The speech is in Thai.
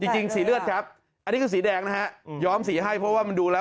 จริงสีเลือดครับอันนี้คือสีแดงนะฮะย้อมสีให้เพราะว่ามันดูแล้ว